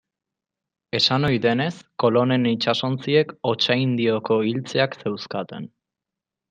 Esan ohi denez, Kolonen itsasontziek Otxandioko iltzeak zeuzkaten.